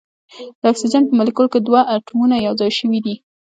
د اکسیجن په مالیکول کې دوه اتومونه یو ځای شوي دي.